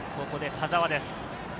ここで田澤です。